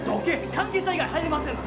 関係者以外入れませんので。